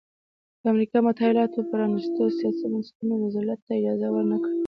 د امریکا متحده ایالتونو پرانیستو سیاسي بنسټونو روزولټ ته اجازه ورنه کړه.